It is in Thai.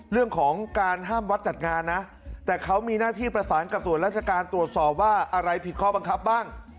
เรื่องของการห้ามวัดจัดงานนะแต่เขามีหน้าที่ประสานกับส่วนราชการตรวจสอบว่าอะไรผิดข้อบังคับบ้าง